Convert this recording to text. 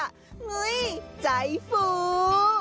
เฮ้ยใจฟู